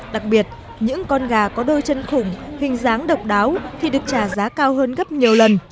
đặc biệt những con gà có đôi chân khủng hình dáng độc đáo thì được trả giá cao hơn gấp nhiều lần